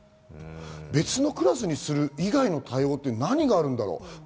別のクラスにする以外の対応って何があるんだろう？